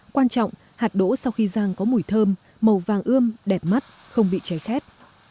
quan trọng hạt đỗ sau khi rang có mùi thơm màu vàng ươm đẹp mắt không bị cháy khép